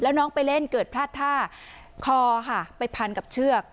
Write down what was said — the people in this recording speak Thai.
แล้วน้องไปเล่นเกิดพลาดท่าคอค่ะไปพันกับเชือก